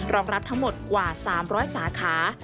รองรับทั้งหมดกว่า๓๐๐สาขา